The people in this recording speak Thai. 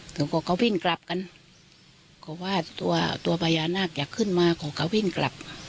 เขาก็วิ่งกลับกันเขาว่าตัวตัวพญานาคอยากขึ้นมาขอเขาวิ่งกลับ